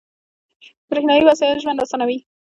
• برېښنايي وسایل ژوند اسانه کوي.